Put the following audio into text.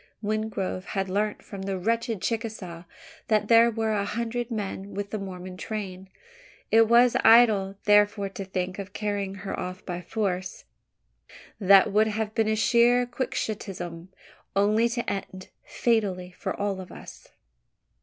Wingrove had learnt from the wretched Chicasaw that there were a hundred men with the Mormon train. It was idle, therefore, to think of carrying her off by force. That would have been sheer quixotism only to end fatally for all of us.